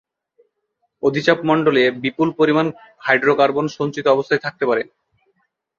অধিচাপ মন্ডলে বিপুল পরিমাণ হাইড্রোকার্বন সঞ্চিত অবস্থায় থাকতে পারে।